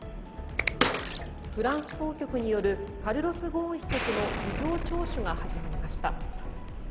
フランス当局によるカルロス・ゴーン被告の事情聴取が始まりました。